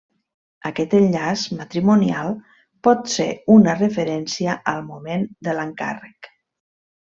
Aquest enllaç matrimonial pot ser una referència al moment de l'encàrrec.